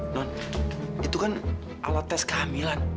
non itu kan alat tes kehamilan